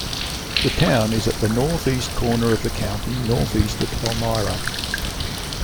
The town is at the northeast corner of the county, northeast of Elmira.